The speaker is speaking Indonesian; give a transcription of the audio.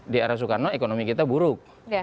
di era soekarno ekonomi kita buruk